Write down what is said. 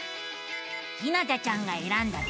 ひなたちゃんがえらんだ